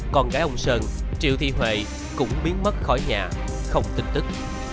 con gái ông sơn triệu thị huệ cũng biến mất khỏi nhà không tin tức